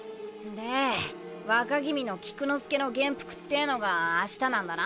でえ若君の菊之助の元服ってえのが明日なんだな？